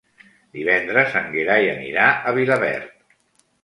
Divendres en Gerai anirà a Vilaverd.